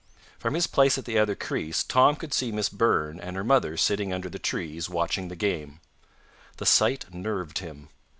From his place at the other crease Tom could see Miss Burn and her mother sitting under the trees, watching the game. The sight nerved him.